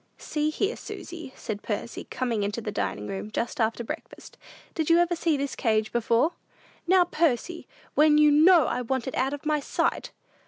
"See here, Susy," said Percy, coming into the dining room, just after breakfast; "did you ever see this cage before?" "Now, Percy! When you know I want it out of my sight!"